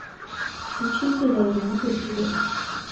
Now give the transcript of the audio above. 十七岁的元恪即位。